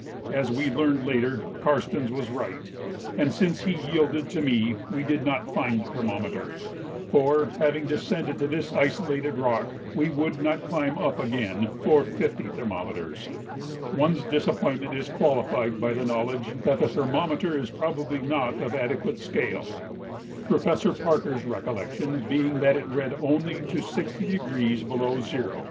As we learned later, Karstens was right, and since he yielded to me we did not find the thermometer, for, having descended to this isolated rock, we would not climb up again for fifty thermometers. One's disappointment is qualified by the knowledge that the thermometer is probably not of adequate scale, Professor Parker's recollection being that it read only to 60° below zero, F.